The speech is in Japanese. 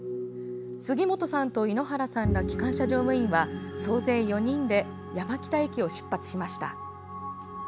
杉本さんと猪原さんら機関車乗務員は、総勢４人で山北駅を出発しました。